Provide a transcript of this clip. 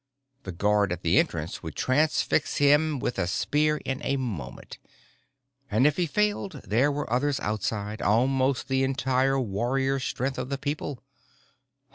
The guard at the entrance would transfix him with a spear in a moment. And if he failed, there were others outside, almost the entire warrior strength of the people.